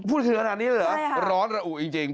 พูดถึงอันนี้เหรอร้อนระอุจริง